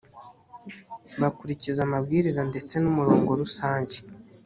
bakurikiza amabwiriza ndetse n’umurongo rusange